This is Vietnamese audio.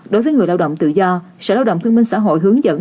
đối với người lao động tự do sở lao động thương minh xã hội hướng dẫn